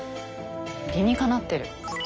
理にかなってる。